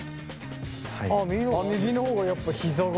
あっ右の方がやっぱひざが。